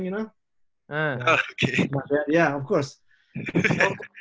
saya main bola sepak bola sedikit